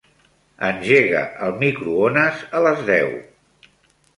Engega el microones a les deu.